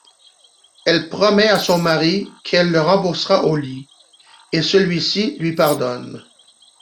Elle promet à son mari qu'elle le remboursera au lit, et celui-ci lui pardonne.